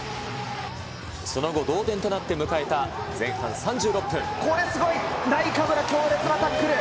その後、同点となって迎えたこれ、すごい、ナイカブラ、強烈なタックル。